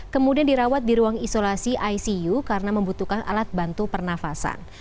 kemudian dirawat di ruang isolasi icu karena membutuhkan alat bantu pernafasan